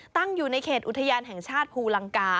ตั้งอยู่ในเขตอุทยานแห่งชาติภูลังกา